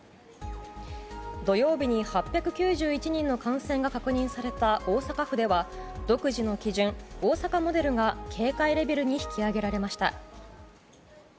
土曜日に８９１人の感染が確認された大阪府では独自の基準、大阪モデルが警戒レベルに引き上げられました。